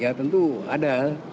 ya tentu ada